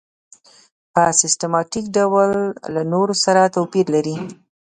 په سیستماتیک ډول له نورو سره توپیر لري.